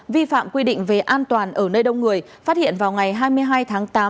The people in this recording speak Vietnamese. vi phạm quy định về an toàn ở nơi đông người phát hiện vào ngày hai mươi hai tháng tám